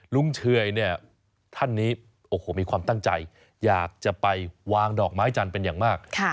เชยเนี่ยท่านนี้โอ้โหมีความตั้งใจอยากจะไปวางดอกไม้จันทร์เป็นอย่างมาก